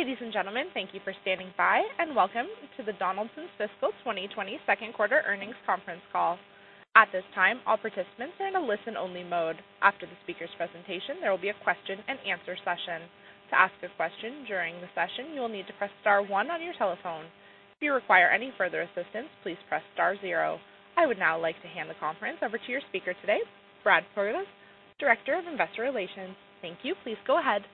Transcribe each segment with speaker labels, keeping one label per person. Speaker 1: Ladies and gentlemen, thank you for standing by, and welcome to Donaldson's Fiscal 2020 Second Quarter Earnings Conference Call. At this time, all participants are in a listen-only mode. After the speakers' presentation, there will be a question and answer session. To ask a question during the session, you will need to press star one on your telephone. If you require any further assistance, please press star zero. I would now like to hand the conference over to your speaker today, Brad Pogalz, Director of Investor Relations. Thank you. Please go ahead.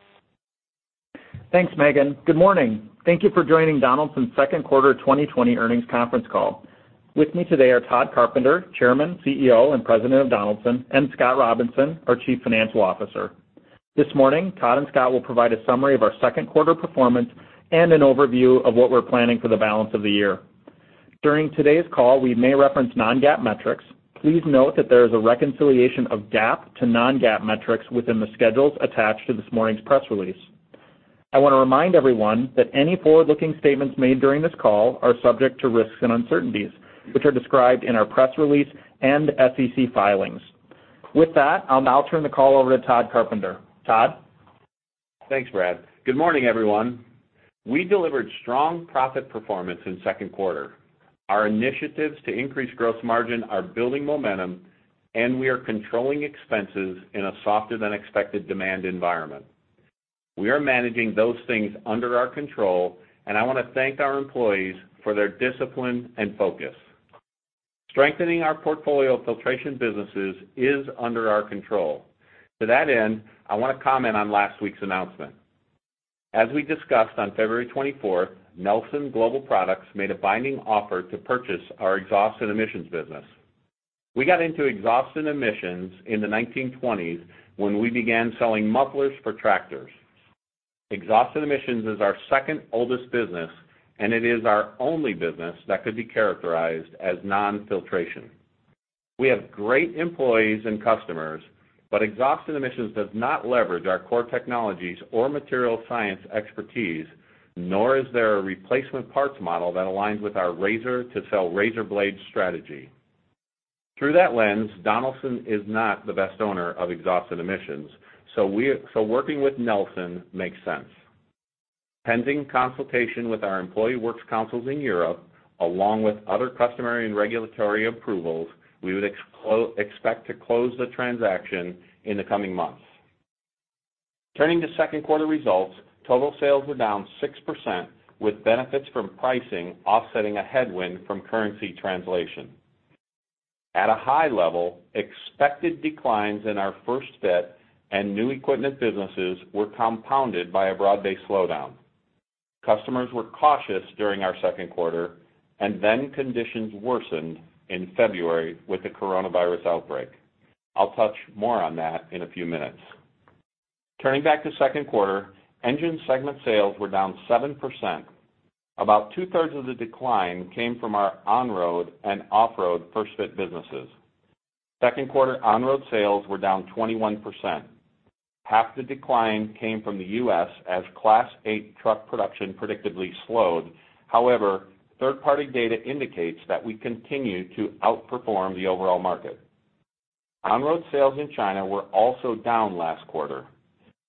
Speaker 2: Thanks, Megan. Good morning. Thank you for joining Donaldson's second quarter 2020 earnings conference call. With me today are Tod Carpenter, Chairman, Chief Executive Officer, and President of Donaldson, and Scott Robinson, our Chief Financial Officer. This morning, Tod and Scott will provide a summary of our second quarter performance and an overview of what we're planning for the balance of the year. During today's call, we may reference Non-GAAP metrics. Please note that there is a reconciliation of GAAP to Non-GAAP metrics within the schedules attached to this morning's press release. I want to remind everyone that any forward-looking statements made during this call are subject to risks and uncertainties, which are described in our press release and SEC filings. With that, I'll now turn the call over to Tod Carpenter. Tod?
Speaker 3: Thanks, Brad. Good morning, everyone. We delivered strong profit performance in second quarter. Our initiatives to increase gross margin are building momentum, and we are controlling expenses in a softer than expected demand environment. We are managing those things under our control, and I want to thank our employees for their discipline and focus. Strengthening our portfolio of filtration businesses is under our control. To that end, I want to comment on last week's announcement. As we discussed on February 24th, Nelson Global Products made a binding offer to purchase our exhaust and emissions business. We got into exhaust and emissions in the 1920s when we began selling mufflers for tractors. Exhaust and emissions is our second oldest business, and it is our only business that could be characterized as non-filtration. We have great employees and customers, but Exhaust and Emissions does not leverage our core technologies or material science expertise, nor is there a replacement parts model that aligns with our razor to sell razor blades strategy. Through that lens, Donaldson is not the best owner of Exhaust and Emissions, so working with Nelson makes sense. Pending consultation with our employee works councils in Europe, along with other customary and regulatory approvals, we would expect to close the transaction in the coming months. Turning to second quarter results, total sales were down 6% with benefits from pricing offsetting a headwind from currency translation. At a high level, expected declines in our first-fit and new equipment businesses were compounded by a broad-based slowdown. Customers were cautious during our second quarter and then conditions worsened in February with the coronavirus outbreak. I'll touch more on that in a few minutes. Turning back to second quarter, engine segment sales were down 7%. About 2/3 of the decline came from our on-road and off-road first-fit businesses. Second quarter on-road sales were down 21%. Half the decline came from the U.S. as Class 8 truck production predictably slowed. Third-party data indicates that we continue to outperform the overall market. On-road sales in China were also down last quarter.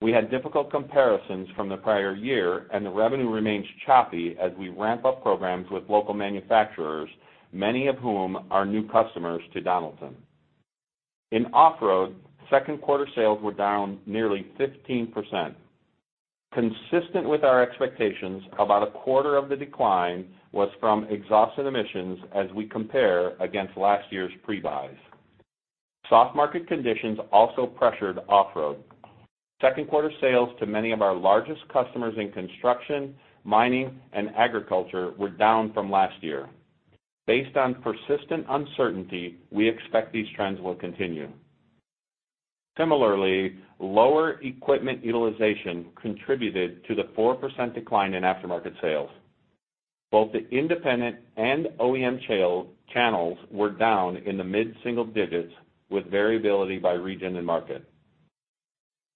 Speaker 3: We had difficult comparisons from the prior year and the revenue remains choppy as we ramp up programs with local manufacturers, many of whom are new customers to Donaldson. In off-road, second quarter sales were down nearly 15%. Consistent with our expectations, about a quarter of the decline was from Exhaust and Emissions as we compare against last year's pre-buys. Soft market conditions also pressured off-road. Second quarter sales to many of our largest customers in construction, mining, and agriculture were down from last year. Based on persistent uncertainty, we expect these trends will continue. Similarly, lower equipment utilization contributed to the 4% decline in aftermarket sales. Both the independent and OEM channels were down in the mid-single digits with variability by region and market.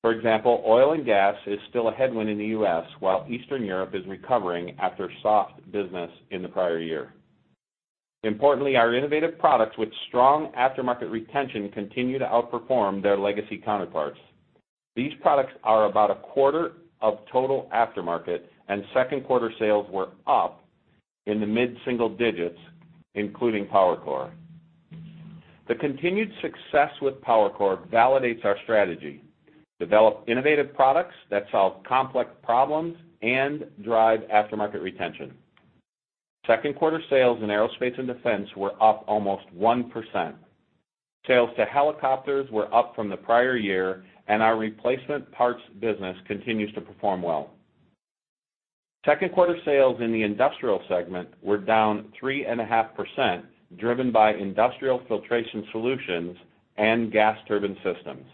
Speaker 3: For example, oil and gas is still a headwind in the U.S. while Eastern Europe is recovering after soft business in the prior year. Importantly, our innovative products with strong aftermarket retention continue to outperform their legacy counterparts. These products are about a quarter of total aftermarket and second quarter sales were up in the mid-single digits, including PowerCore. The continued success with PowerCore validates our strategy. Develop innovative products that solve complex problems and drive aftermarket retention. Second quarter sales in aerospace and defense were up almost 1%. Sales to helicopters were up from the prior year, and our replacement parts business continues to perform well. Second quarter sales in the Industrial segment were down 3.5%, driven by Industrial Filtration Solutions and Gas Turbine Systems.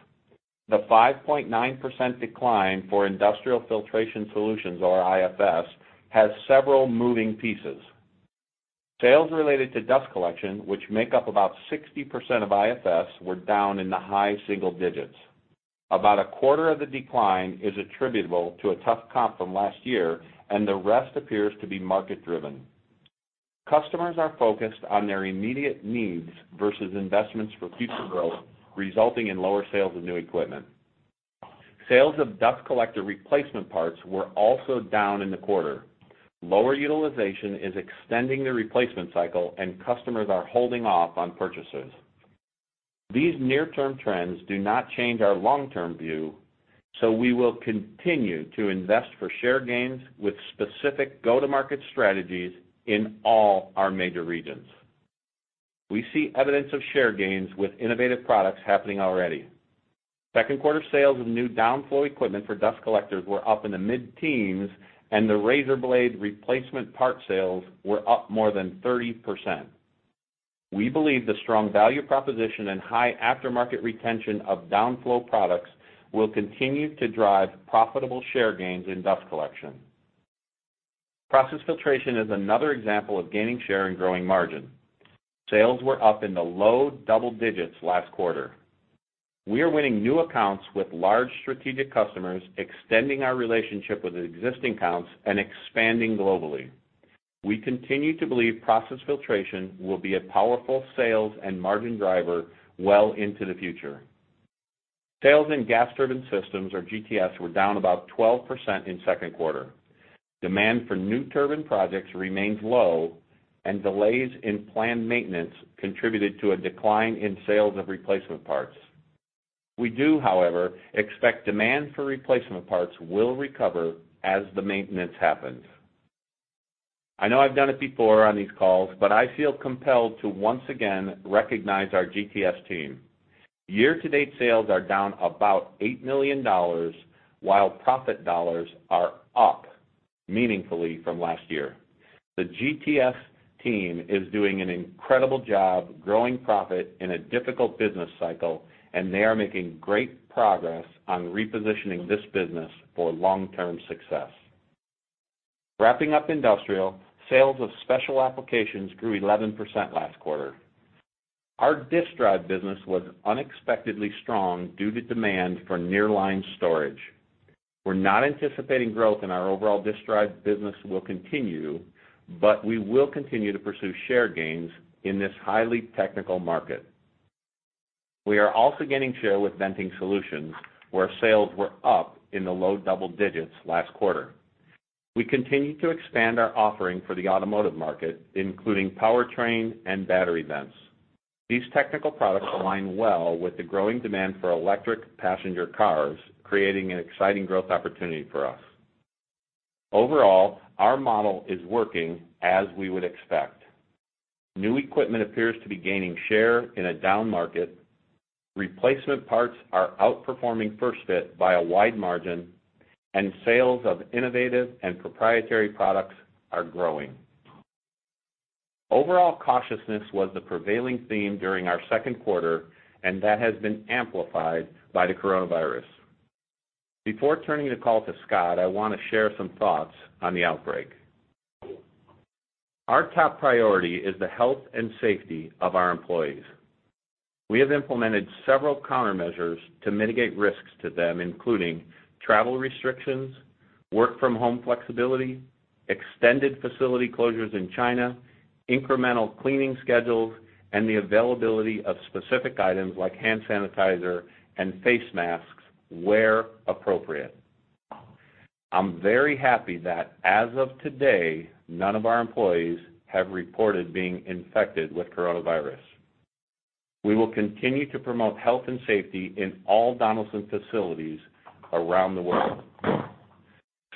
Speaker 3: The 5.9% decline for Industrial Filtration Solutions, or IFS, has several moving pieces. Sales related to dust collection, which make up about 60% of IFS, were down in the high single digits. About a quarter of the decline is attributable to a tough comp from last year, and the rest appears to be market-driven. Customers are focused on their immediate needs versus investments for future growth, resulting in lower sales of new equipment. Sales of dust collector replacement parts were also down in the quarter. Lower utilization is extending the replacement cycle and customers are holding off on purchases. These near-term trends do not change our long-term view, so we will continue to invest for share gains with specific go-to-market strategies in all our major regions. We see evidence of share gains with innovative products happening already. Second quarter sales of new Downflo equipment for dust collectors were up in the mid-teens, and the RazorBlade replacement part sales were up more than 30%. We believe the strong value proposition and high aftermarket retention of Downflo products will continue to drive profitable share gains in dust collection. Process Filtration is another example of gaining share and growing margin. Sales were up in the low double digits last quarter. We are winning new accounts with large strategic customers, extending our relationship with existing accounts, and expanding globally. We continue to believe Process Filtration will be a powerful sales and margin driver well into the future. Sales in gas turbine systems, or GTS, were down about 12% in second quarter. Demand for new turbine projects remains low, and delays in planned maintenance contributed to a decline in sales of replacement parts. We do, however, expect demand for replacement parts will recover as the maintenance happens. I know I've done it before on these calls, but I feel compelled to once again recognize our GTS team. Year-to-date sales are down about $8 million, while profit dollars are up meaningfully from last year. The GTS team is doing an incredible job growing profit in a difficult business cycle, and they are making great progress on repositioning this business for long-term success. Wrapping up industrial, sales of special applications grew 11% last quarter. Our disk drive business was unexpectedly strong due to demand for nearline storage. We're not anticipating growth in our overall disc drive business will continue, but we will continue to pursue share gains in this highly technical market. We are also gaining share with venting solutions, where sales were up in the low double digits last quarter. We continue to expand our offering for the automotive market, including powertrain and battery vents. These technical products align well with the growing demand for electric passenger cars, creating an exciting growth opportunity for us. Overall, our model is working as we would expect. New equipment appears to be gaining share in a down market, replacement parts are outperforming first fit by a wide margin, and sales of innovative and proprietary products are growing. Overall cautiousness was the prevailing theme during our second quarter, and that has been amplified by the coronavirus. Before turning the call to Scott, I want to share some thoughts on the outbreak. Our top priority is the health and safety of our employees. We have implemented several countermeasures to mitigate risks to them, including travel restrictions, work-from-home flexibility, extended facility closures in China, incremental cleaning schedules, and the availability of specific items like hand sanitizer and face masks where appropriate. I'm very happy that as of today, none of our employees have reported being infected with coronavirus. We will continue to promote health and safety in all Donaldson facilities around the world.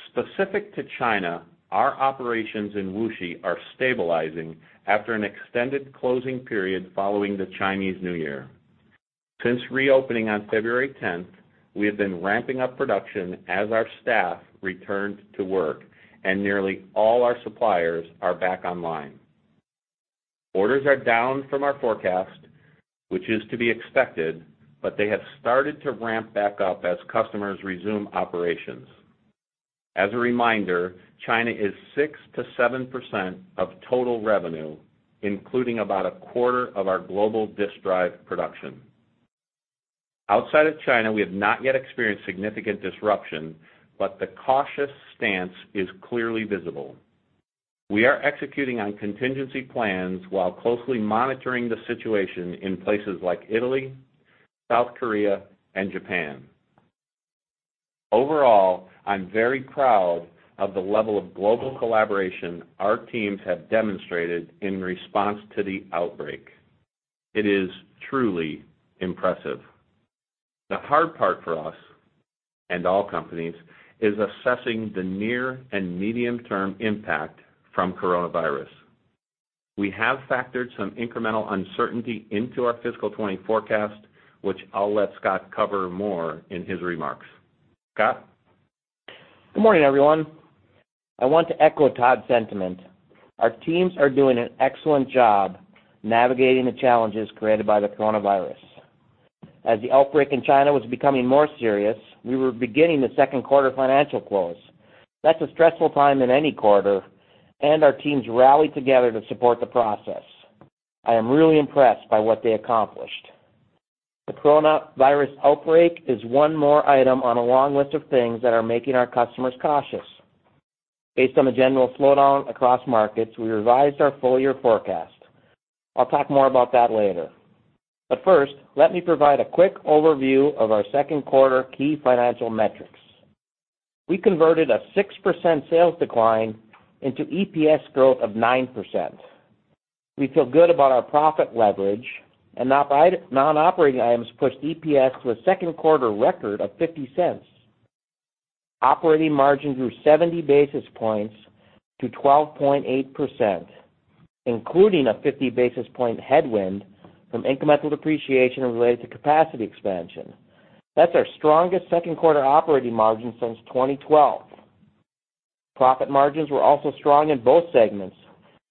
Speaker 3: Specific to China, our operations in Wuxi are stabilizing after an extended closing period following the Chinese New Year. Since reopening on February 10th, we have been ramping up production as our staff returned to work and nearly all our suppliers are back online. Orders are down from our forecast, which is to be expected, but they have started to ramp back up as customers resume operations. As a reminder, China is 6%-7% of total revenue, including about a quarter of our global disc drive production. Outside of China, we have not yet experienced significant disruption, but the cautious stance is clearly visible. We are executing on contingency plans while closely monitoring the situation in places like Italy, South Korea, and Japan. Overall, I'm very proud of the level of global collaboration our teams have demonstrated in response to the outbreak. It is truly impressive. The hard part for us, and all companies, is assessing the near and medium-term impact from coronavirus. We have factored some incremental uncertainty into our fiscal 2020 forecast, which I'll let Scott cover more in his remarks. Scott?
Speaker 4: Good morning, everyone. I want to echo Tod's sentiment. Our teams are doing an excellent job navigating the challenges created by the coronavirus. As the outbreak in China was becoming more serious, we were beginning the second quarter financial close. That's a stressful time in any quarter. Our teams rallied together to support the process. I am really impressed by what they accomplished. The coronavirus outbreak is one more item on a long list of things that are making our customers cautious. Based on the general slowdown across markets, we revised our full-year forecast. I'll talk more about that later. First, let me provide a quick overview of our second quarter key financial metrics. We converted a 6% sales decline into EPS growth of 9%. We feel good about our profit leverage. Non-operating items pushed EPS to a second quarter record of $0.50. Operating margin grew 70 basis points to 12.8%, including a 50 basis point headwind from incremental depreciation related to capacity expansion. That's our strongest second quarter operating margin since 2012. Profit margins were also strong in both segments,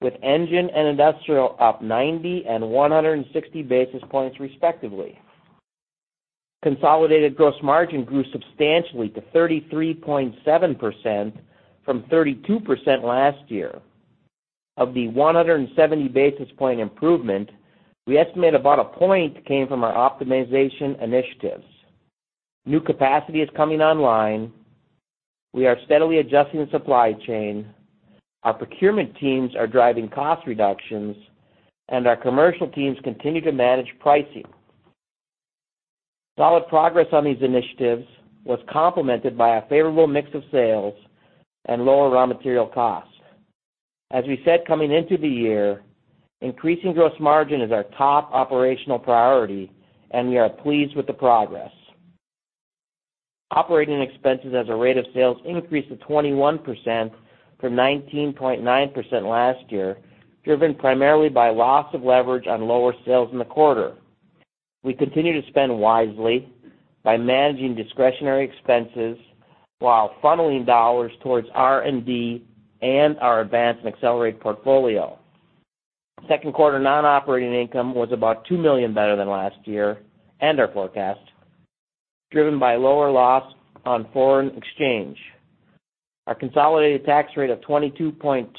Speaker 4: with engine and industrial up 90 basis points and 160 basis points respectively. Consolidated gross margin grew substantially to 33.7% from 32% last year. Of the 170 basis point improvement, we estimate about a point came from our optimization initiatives. New capacity is coming online. We are steadily adjusting the supply chain. Our procurement teams are driving cost reductions, and our commercial teams continue to manage pricing. Solid progress on these initiatives was complemented by a favorable mix of sales and lower raw material costs. As we said coming into the year, increasing gross margin is our top operational priority, and we are pleased with the progress. Operating expenses as a rate of sales increased to 21% from 19.9% last year, driven primarily by loss of leverage on lower sales in the quarter. We continue to spend wisely by managing discretionary expenses while funneling dollars towards R&D and our Advance and Accelerate portfolio. Second quarter non-operating income was about $2 million better than last year and our forecast, driven by lower loss on foreign exchange. Our consolidated tax rate of 22.2%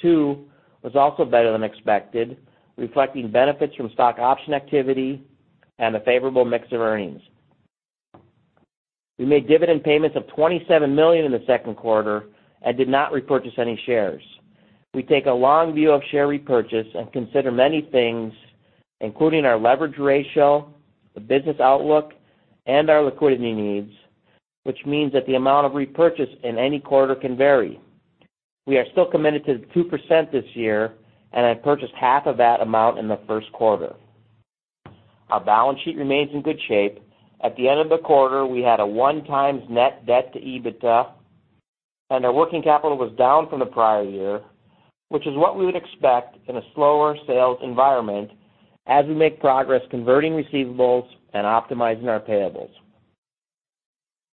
Speaker 4: was also better than expected, reflecting benefits from stock option activity and a favorable mix of earnings. We made dividend payments of $27 million in the second quarter and did not repurchase any shares. We take a long view of share repurchase and consider many things, including our leverage ratio, the business outlook, and our liquidity needs, which means that the amount of repurchase in any quarter can vary. We are still committed to the 2% this year and have purchased half of that amount in the first quarter. Our balance sheet remains in good shape. At the end of the quarter, we had a 1x net debt to EBITDA, and our working capital was down from the prior year, which is what we would expect in a slower sales environment as we make progress converting receivables and optimizing our payables.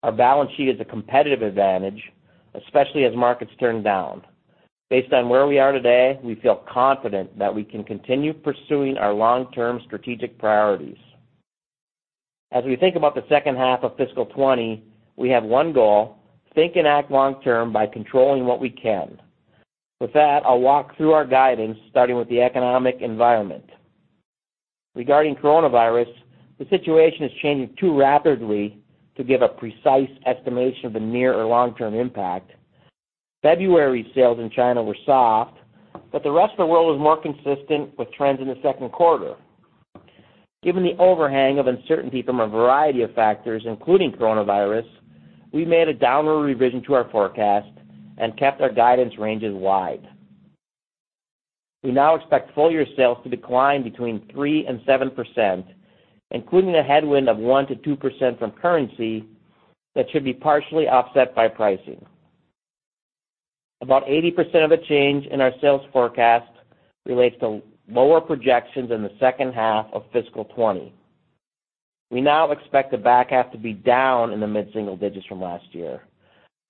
Speaker 4: Our balance sheet is a competitive advantage, especially as markets turn down. Based on where we are today, we feel confident that we can continue pursuing our long-term strategic priorities. As we think about the second half of fiscal 2020, we have one goal, think and act long term by controlling what we can. With that, I'll walk through our guidance, starting with the economic environment. Regarding coronavirus, the situation is changing too rapidly to give a precise estimation of the near or long-term impact. February sales in China were soft, but the rest of the world was more consistent with trends in the second quarter. Given the overhang of uncertainty from a variety of factors, including coronavirus, we've made a downward revision to our forecast and kept our guidance ranges wide. We now expect full year sales to decline between 3%-7%, including a headwind of 1%-2% from currency that should be partially offset by pricing. About 80% of the change in our sales forecast relates to lower projections in the second half of fiscal 2020. We now expect the back half to be down in the mid-single digits from last year.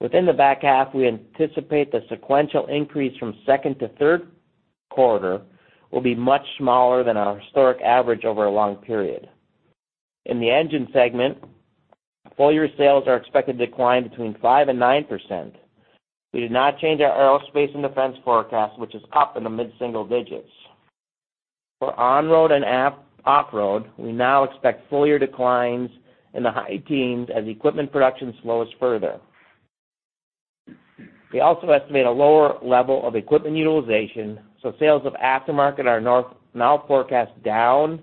Speaker 4: Within the back half, we anticipate the sequential increase from second to third quarter will be much smaller than our historic average over a long period. In the engine segment, full year sales are expected to decline between 5%-9%. We did not change our aerospace and defense forecast, which is up in the mid-single digits. For on-road and off-road, we now expect full year declines in the high teens as equipment production slows further. We also estimate a lower level of equipment utilization, so sales of aftermarket are now forecast down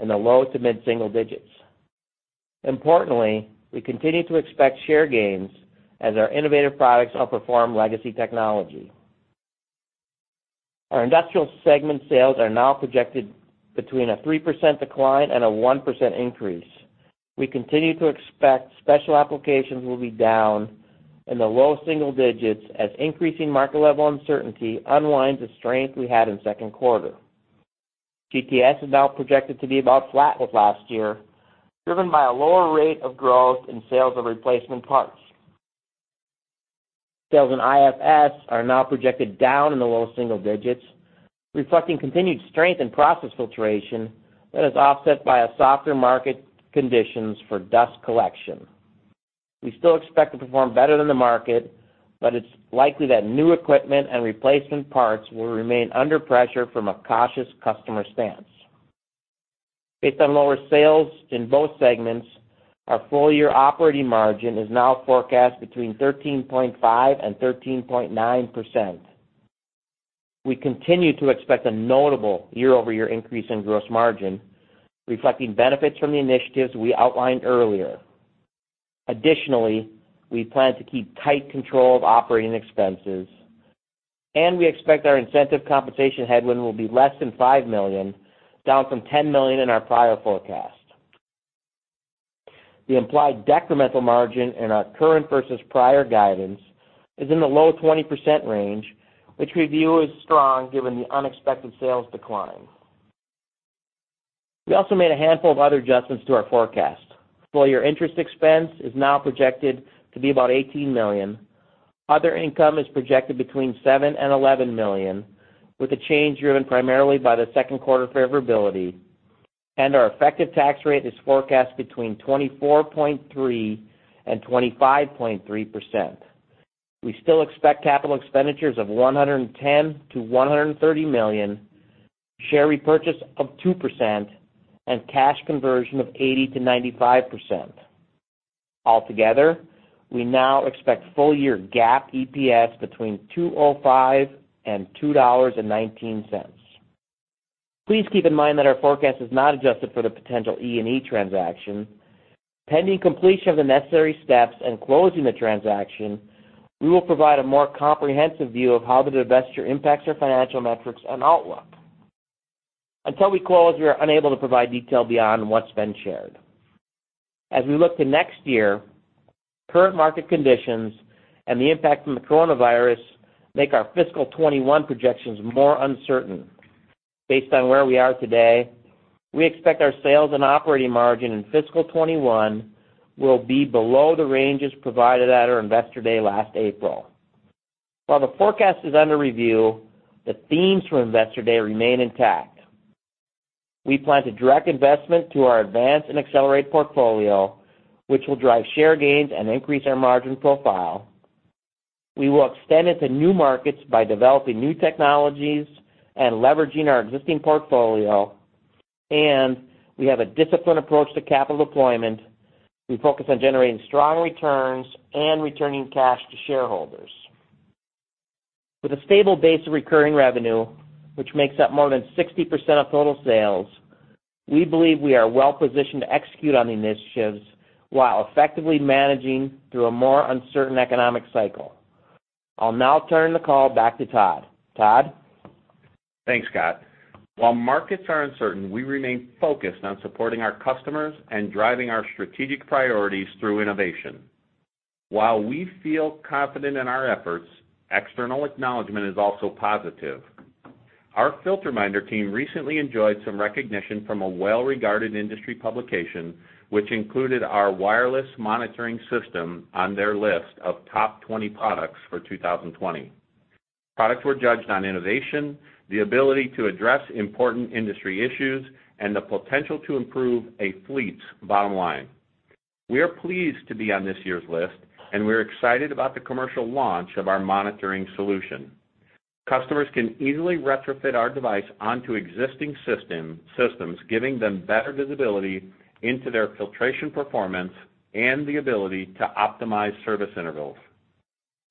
Speaker 4: in the low to mid-single digits. Importantly, we continue to expect share gains as our innovative products outperform legacy technology. Our industrial segment sales are now projected between a 3% decline and a 1% increase. We continue to expect special applications will be down in the low single digits as increasing market level uncertainty unwinds the strength we had in the second quarter. GTS is now projected to be about flat with last year, driven by a lower rate of growth in sales of replacement parts. Sales in IFS are now projected down in the low single digits, reflecting continued strength in Process Filtration that is offset by softer market conditions for dust collection. We still expect to perform better than the market, but it's likely that new equipment and replacement parts will remain under pressure from a cautious customer stance. Based on lower sales in both segments, our full-year operating margin is now forecast between 13.5%-13.9%. We continue to expect a notable year-over-year increase in gross margin, reflecting benefits from the initiatives we outlined earlier. Additionally, we plan to keep tight control of operating expenses. We expect our incentive compensation headwind will be less than $5 million, down from $10 million in our prior forecast. The implied decremental margin in our current versus prior guidance is in the low 20% range, which we view as strong given the unexpected sales decline. We also made a handful of other adjustments to our forecast. Full-year interest expense is now projected to be about $18 million. Other income is projected between $7 million and $11 million, with the change driven primarily by the second quarter favorability. Our effective tax rate is forecast between 24.3%-25.3%. We still expect capital expenditures of $110 million-$130 million, share repurchase of 2%, and cash conversion of 80%-95%. Altogether, we now expect full-year GAAP EPS between $2.05-$2.19. Please keep in mind that our forecast is not adjusted for the potential Exhaust and Emissions transaction. Pending completion of the necessary steps and closing the transaction, we will provide a more comprehensive view of how the divestiture impacts our financial metrics and outlook. Until we close, we are unable to provide detail beyond what's been shared. As we look to next year, current market conditions and the impact from the coronavirus make our fiscal 2021 projections more uncertain. Based on where we are today, we expect our sales and operating margin in fiscal 2021 will be below the ranges provided at our Investor Day last April. While the forecast is under review, the themes from Investor Day remain intact. We plan to direct investment to our Advance and Accelerate portfolio, which will drive share gains and increase our margin profile. We will extend into new markets by developing new technologies and leveraging our existing portfolio. We have a disciplined approach to capital deployment. We focus on generating strong returns and returning cash to shareholders. With a stable base of recurring revenue, which makes up more than 60% of total sales, we believe we are well positioned to execute on the initiatives while effectively managing through a more uncertain economic cycle. I'll now turn the call back to Tod. Tod?
Speaker 3: Thanks, Scott. While markets are uncertain, we remain focused on supporting our customers and driving our strategic priorities through innovation. While we feel confident in our efforts, external acknowledgment is also positive. Our FilterMinder team recently enjoyed some recognition from a well-regarded industry publication, which included our wireless monitoring system on their list of top 20 products for 2020. Products were judged on innovation, the ability to address important industry issues, and the potential to improve a fleet's bottom line. We are pleased to be on this year's list, and we're excited about the commercial launch of our monitoring solution. Customers can easily retrofit our device onto existing systems, giving them better visibility into their filtration performance and the ability to optimize service intervals.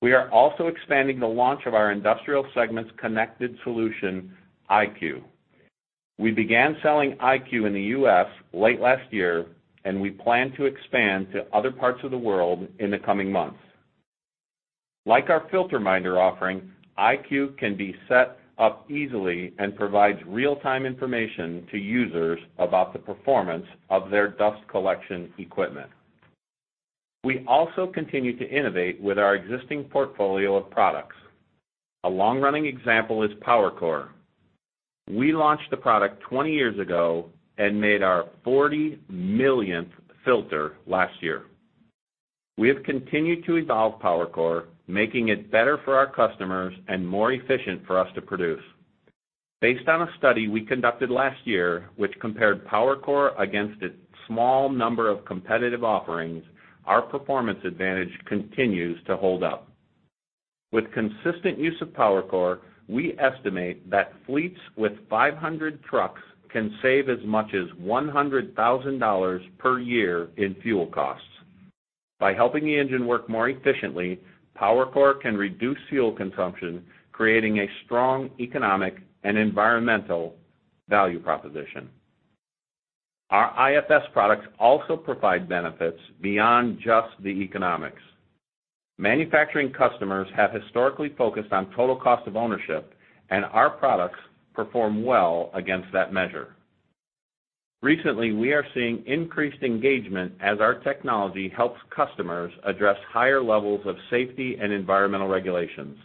Speaker 3: We are also expanding the launch of our industrial segment's connected solution, iCue. We began selling iCue in the U.S. late last year, and we plan to expand to other parts of the world in the coming months. Like our FilterMinder offering, iCue can be set up easily and provides real-time information to users about the performance of their dust collection equipment. We also continue to innovate with our existing portfolio of products. A long-running example is PowerCore. We launched the product 20 years ago and made our 40 millionth PowerCore® filter last year. We have continued to evolve PowerCore, making it better for our customers and more efficient for us to produce. Based on a study we conducted last year, which compared PowerCore against a small number of competitive offerings, our performance advantage continues to hold up. With consistent use of PowerCore, we estimate that fleets with 500 trucks can save as much as $100,000 per year in fuel costs. By helping the engine work more efficiently, PowerCore can reduce fuel consumption, creating a strong economic and environmental value proposition. Our IFS products also provide benefits beyond just the economics. Manufacturing customers have historically focused on total cost of ownership, and our products perform well against that measure. Recently, we are seeing increased engagement as our technology helps customers address higher levels of safety and environmental regulations.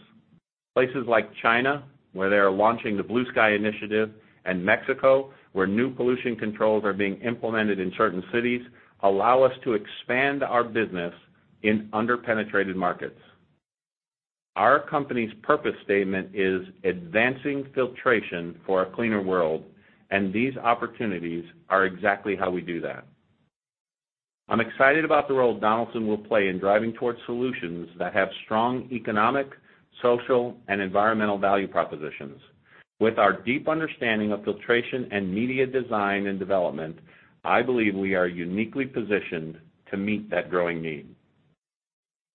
Speaker 3: Places like China, where they are launching the Blue Sky Initiative, and Mexico, where new pollution controls are being implemented in certain cities, allow us to expand our business in under-penetrated markets. Our company's purpose statement is "Advancing filtration for a cleaner world," and these opportunities are exactly how we do that. I'm excited about the role Donaldson will play in driving towards solutions that have strong economic, social, and environmental value propositions. With our deep understanding of filtration and media design and development, I believe we are uniquely positioned to meet that growing need.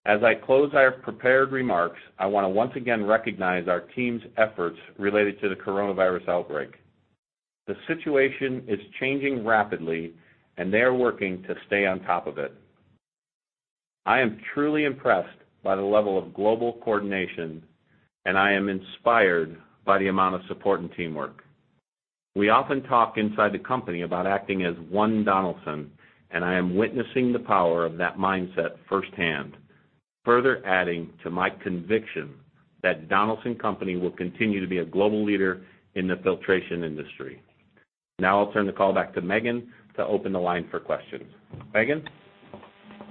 Speaker 3: As I close our prepared remarks, I want to once again recognize our team's efforts related to the coronavirus outbreak. The situation is changing rapidly, and they are working to stay on top of it. I am truly impressed by the level of global coordination, and I am inspired by the amount of support and teamwork. We often talk inside the company about acting as one Donaldson, and I am witnessing the power of that mindset firsthand, further adding to my conviction that Donaldson Company will continue to be a global leader in the filtration industry. Now I'll turn the call back to Megan to open the line for questions. Megan?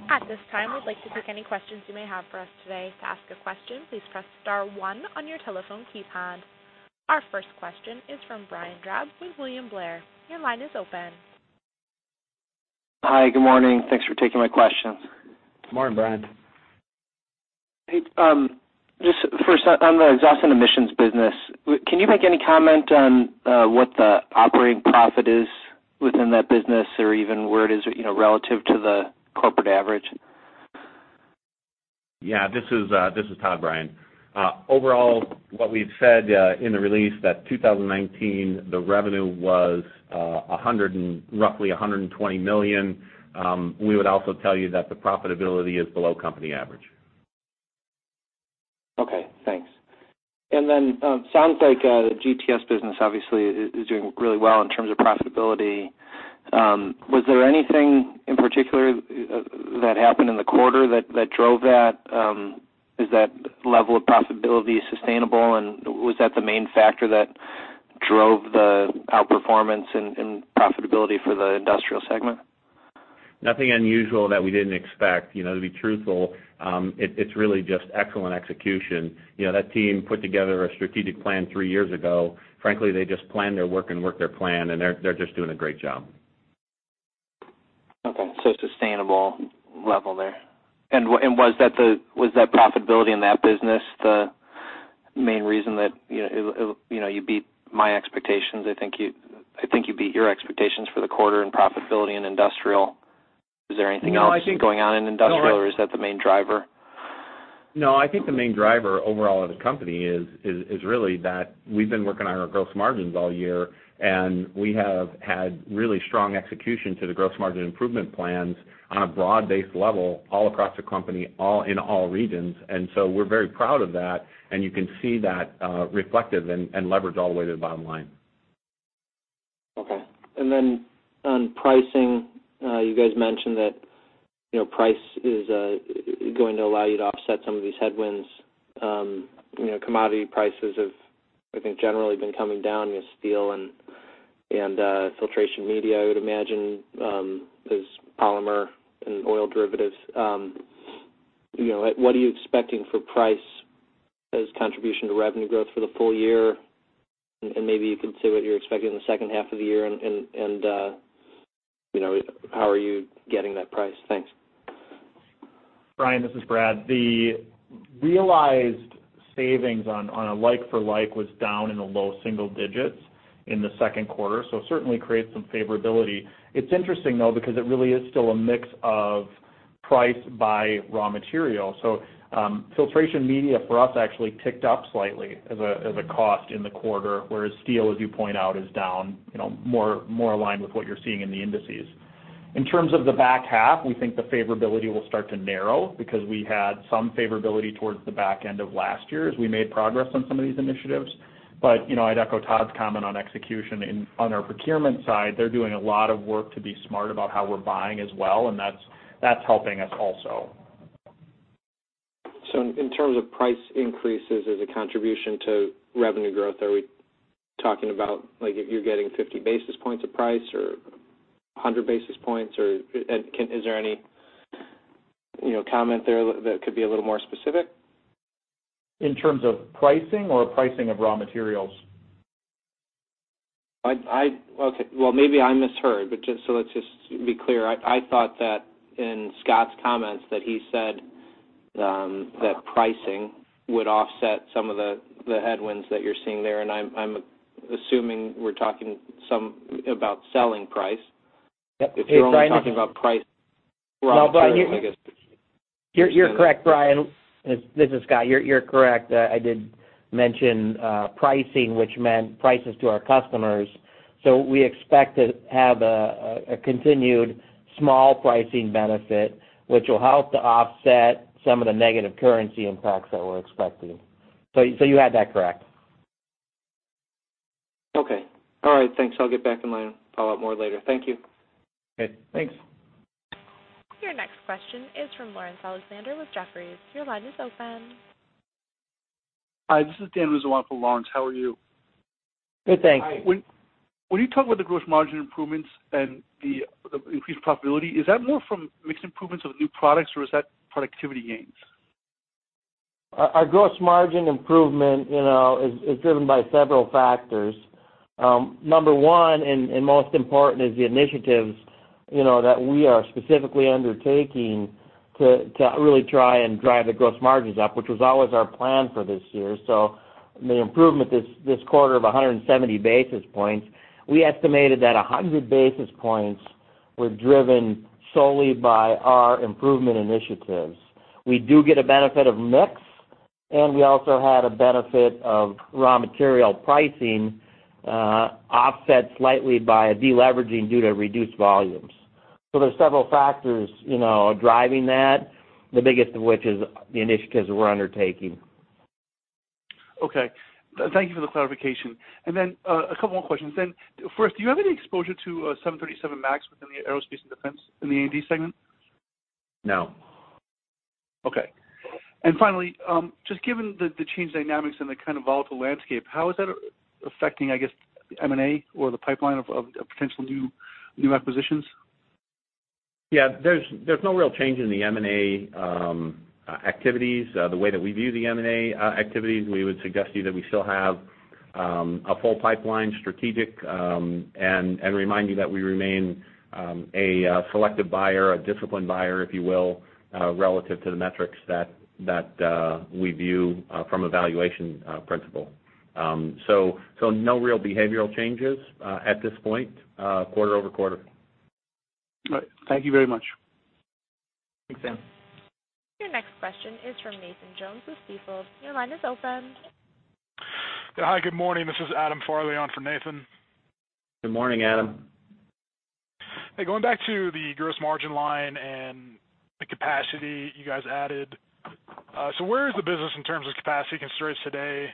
Speaker 1: At this time, we'd like to take any questions you may have for us today. To ask a question, please press star one on your telephone keypad. Our first question is from Brian Drab with William Blair. Your line is open.
Speaker 5: Hi. Good morning. Thanks for taking my questions.
Speaker 3: Good morning, Brian.
Speaker 5: Hey. Just first, on the Exhaust and Emissions business, can you make any comment on what the operating profit is within that business, or even where it is relative to the corporate average?
Speaker 3: Yeah, this is Tod, Brian. Overall, what we've said in the release that 2019, the revenue was roughly $120 million. We would also tell you that the profitability is below company average.
Speaker 5: Okay, thanks. Sounds like the GTS business obviously is doing really well in terms of profitability. Was there anything in particular that happened in the quarter that drove that? Is that level of profitability sustainable, and was that the main factor that drove the outperformance and profitability for the industrial segment?
Speaker 3: Nothing unusual that we didn't expect. To be truthful, it's really just excellent execution. That team put together a strategic plan three years ago. Frankly, they just planned their work and worked their plan, and they're just doing a great job.
Speaker 5: Okay, sustainable level there. Was that profitability in that business the main reason that you beat my expectations? I think you beat your expectations for the quarter in profitability in industrial. Is there anything else going on in industrial, or is that the main driver?
Speaker 3: No, I think the main driver overall of the company is really that we've been working on our gross margins all year, and we have had really strong execution to the gross margin improvement plans on a broad-based level all across the company, in all regions. We're very proud of that, and you can see that reflective and leveraged all the way to the bottom line.
Speaker 5: Okay. On pricing, you guys mentioned that price is going to allow you to offset some of these headwinds. Commodity prices have, I think, generally been coming down with steel and filtration media, I would imagine, as polymer and oil derivatives. What are you expecting for price as contribution to revenue growth for the full year? Maybe you can say what you're expecting in the second half of the year, and how are you getting that price? Thanks.
Speaker 2: Brian, this is Brad. The realized savings on a like for like was down in the low single digits in the second quarter, so it certainly creates some favorability. It's interesting, though, because it really is still a mix of price by raw material. Filtration media for us actually ticked up slightly as a cost in the quarter, whereas steel, as you point out, is down, more aligned with what you're seeing in the indices. In terms of the back half, we think the favorability will start to narrow because we had some favorability towards the back end of last year as we made progress on some of these initiatives. I'd echo Tod's comment on execution. On our procurement side, they're doing a lot of work to be smart about how we're buying as well, and that's helping us also.
Speaker 5: In terms of price increases as a contribution to revenue growth, are we talking about you're getting 50 basis points a price or 100 basis points, or is there any comment there that could be a little more specific?
Speaker 2: In terms of pricing or pricing of raw materials?
Speaker 5: Well, maybe I misheard, but just so let's just be clear. I thought that in Scott's comments that he said that pricing would offset some of the headwinds that you're seeing there, and I'm assuming we're talking some about selling price.
Speaker 4: Yep. Hey, Brian.
Speaker 2: If you're only talking about price.
Speaker 5: Raw material, I guess.
Speaker 4: You're correct, Brian. This is Scott. You're correct. I did mention pricing, which meant prices to our customers. We expect to have a continued small pricing benefit, which will help to offset some of the negative currency impacts that we're expecting. You had that correct.
Speaker 5: Okay. All right, thanks. I'll get back in line. Follow up more later. Thank you.
Speaker 3: Okay, thanks.
Speaker 1: Your next question is from Laurence Alexander with Jefferies. Your line is open.
Speaker 6: Hi, this is Dan Wiszowaty for Laurence. How are you?
Speaker 3: Good, thanks.
Speaker 6: When you talk about the gross margin improvements and the increased profitability, is that more from mix improvements of the new products or is that productivity gains?
Speaker 4: Our gross margin improvement is driven by several factors. Number one, and most important, is the initiatives that we are specifically undertaking to really try and drive the gross margins up, which was always our plan for this year. The improvement this quarter of 170 basis points, we estimated that 100 basis points were driven solely by our improvement initiatives. We do get a benefit of mix, and we also had a benefit of raw material pricing, offset slightly by a deleveraging due to reduced volumes. There's several factors driving that, the biggest of which is the initiatives we're undertaking.
Speaker 6: Okay. Thank you for the clarification. A couple more questions then. First, do you have any exposure to 737 MAX within the Aerospace and Defense, in the A&D segment?
Speaker 3: No.
Speaker 6: Okay. Finally, just given the changed dynamics and the kind of volatile landscape, how is that affecting, I guess, M&A or the pipeline of potential new acquisitions?
Speaker 3: Yeah. There's no real change in the M&A activities. The way that we view the M&A activities, we would suggest to you that we still have a full pipeline strategic, and remind you that we remain a selective buyer, a disciplined buyer, if you will, relative to the metrics that we view from a valuation principle. No real behavioral changes at this point, quarter-over-quarter.
Speaker 6: All right. Thank you very much.
Speaker 2: Thanks, Dan.
Speaker 1: Your next question is from Nathan Jones with Stifel. Your line is open.
Speaker 7: Hi, good morning. This is Adam Farley on for Nathan.
Speaker 3: Good morning, Adam.
Speaker 7: Hey, going back to the gross margin line and the capacity you guys added. Where is the business in terms of capacity constraints today?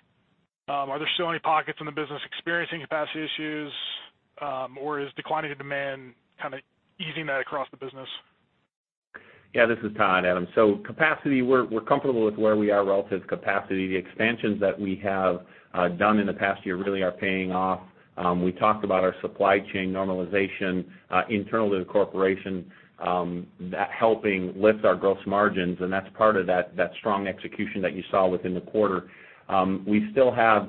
Speaker 7: Are there still any pockets in the business experiencing capacity issues? Is declining demand kind of easing that across the business?
Speaker 3: This is Tod, Adam. Capacity, we're comfortable with where we are relative to capacity. The expansions that we have done in the past year really are paying off. We talked about our supply chain normalization internal to the corporation, that helping lift our gross margins, and that's part of that strong execution that you saw within the quarter. We still have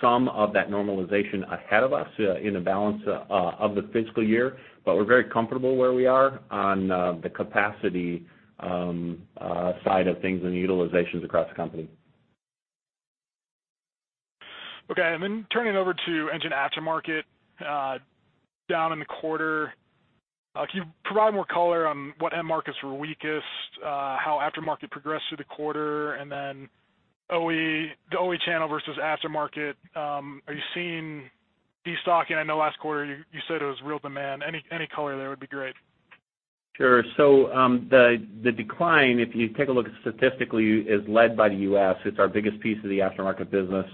Speaker 3: some of that normalization ahead of us in the balance of the fiscal year, but we're very comfortable where we are on the capacity side of things and the utilizations across the company.
Speaker 7: Okay. Turning over to engine aftermarket down in the quarter. Can you provide more color on what end markets were weakest, how aftermarket progressed through the quarter, and then the OE channel versus aftermarket? Are you seeing destocking? I know last quarter you said it was real demand. Any color there would be great.
Speaker 3: Sure. The decline, if you take a look statistically, is led by the U.S. It's our biggest piece of the aftermarket business.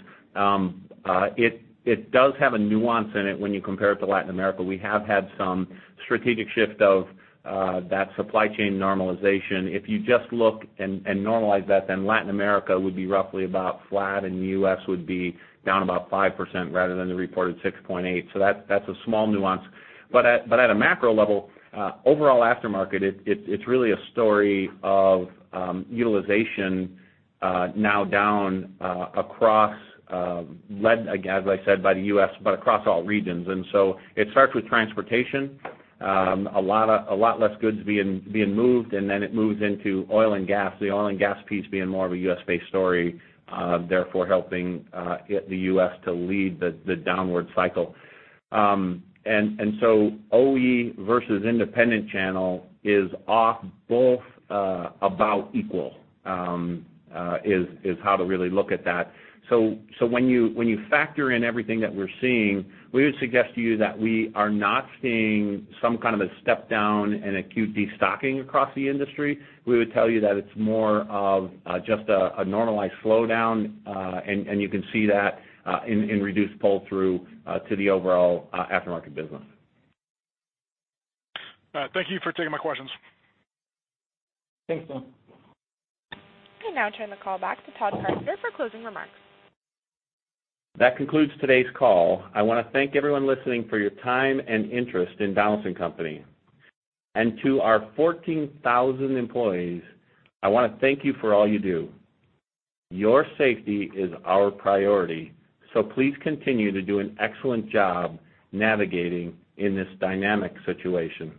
Speaker 3: It does have a nuance in it when you compare it to Latin America. We have had some strategic shift of that supply chain normalization. If you just look and normalize that, then Latin America would be roughly about flat, and U.S. would be down about 5% rather than the reported 6.8%. That's a small nuance. At a macro level, overall aftermarket, it's really a story of utilization now down across, led, as I said, by the U.S., but across all regions. It starts with transportation. A lot less goods being moved, and then it moves into oil and gas, the oil and gas piece being more of a U.S.-based story, therefore helping the U.S. to lead the downward cycle. OE versus independent channel is off both about equal, is how to really look at that. When you factor in everything that we're seeing, we would suggest to you that we are not seeing some kind of a step down and acute destocking across the industry. We would tell you that it's more of just a normalized slowdown, and you can see that in reduced pull-through to the overall aftermarket business.
Speaker 7: Thank you for taking my questions.
Speaker 2: Thanks, Adam.
Speaker 1: I now turn the call back to Tod Carpenter for closing remarks.
Speaker 3: That concludes today's call. I want to thank everyone listening for your time and interest in Donaldson Company. To our 14,000 employees, I want to thank you for all you do. Your safety is our priority, please continue to do an excellent job navigating in this dynamic situation.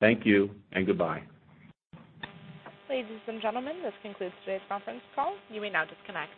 Speaker 3: Thank you and goodbye.
Speaker 1: Ladies and gentlemen, this concludes today's conference call. You may now disconnect.